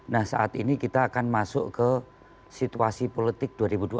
nah saat ini kita akan masuk ke situasi politik dua ribu dua puluh empat